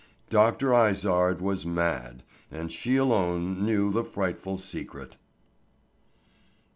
Dr. Izard was mad and she alone knew the frightful secret.